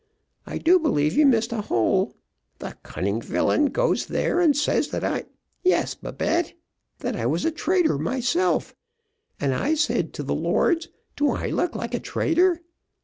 I do believe you missed a hole. The cunning villain goes there and says that I yes, Babette that I was a traitor myself; and I said to the lords, 'Do I look like a traitor?'